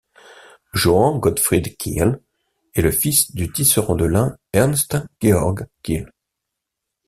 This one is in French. Johann Gottfried Kiel est le fils du tisserand de lin Ernst Georg Kiel.